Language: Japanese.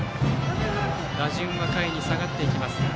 打順は下位に下がっていきます。